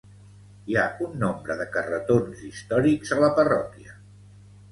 Hi ha un nombre de carretons històrics a la parròquia.